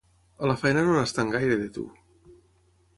A la feina no n'estan gaire, de tu.